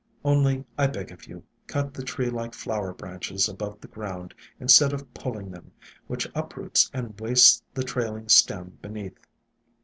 Only, I beg of you, cut the tree like flower branches above the ground instead of pulling them, which uproots and wastes the trailing stem beneath.